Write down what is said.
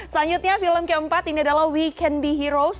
selanjutnya film keempat ini adalah we can be heroes